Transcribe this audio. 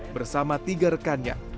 bersama tiga rekannya